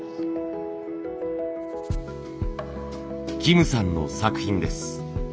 キムさんの作品です。